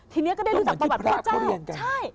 ทีนี้ก็ได้รู้จักประวัติพระเจ้า